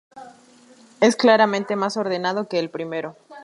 Es claramente más ordenado que el primero.